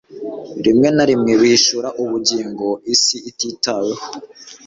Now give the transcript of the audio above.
rimwe na rimwe bihishura ubugingo isi ititaweho